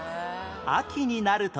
秋になると